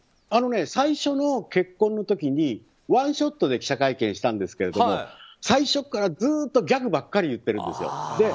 最初の結婚のときにワンショットで記者会見したんですけど最初からずっとギャグばっかり言ってるんですよ。